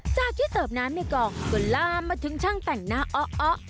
จากที่เสิร์ฟน้ำในกองก็ลามมาถึงช่างแต่งหน้าอ้อ